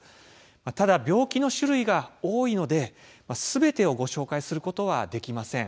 ただ病気の種類が多いのですべてをご紹介することはできません。